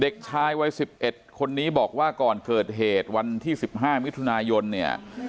เด็กชายวัย๑๑คนนี้บอกว่าก่อนเกิดเหตุวันที่๑๕มิถุนายนเนี่ย